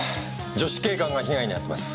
女子警官が被害に遭ってます。